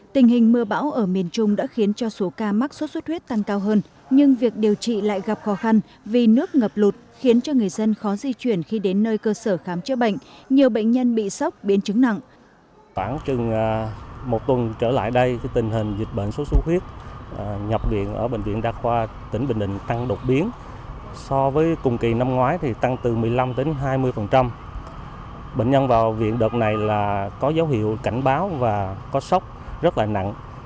tình hình mưa bão ở miền trung đã khiến cho số ca mắc xuất xuất huyết tăng cao hơn nhưng việc điều trị lại gặp khó khăn vì nước ngập lụt khiến cho người dân khó di chuyển khi đến nơi cơ sở khám chữa bệnh nhiều bệnh nhân bị sốc biến chứng nặng